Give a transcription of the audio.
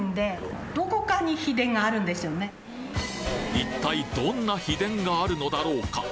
一体どんな秘伝があるのだろうか？